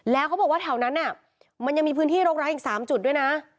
แล้วเขาบอกว่าแถวนั้นมันยังมีพื้นที่โรคร้ายอีก๓จุดด้วยนะ